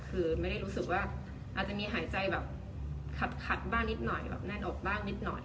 คือไม่ได้รู้สึกว่าอาจจะมีหายใจแบบขัดบ้างนิดหน่อยแบบแน่นอกบ้างนิดหน่อย